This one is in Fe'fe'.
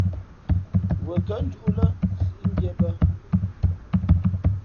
Wen kα̌ njūʼ lά sǐʼ mbīē bᾱ.